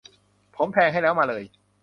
ผมแทงค์ให้แล้ว มาเลย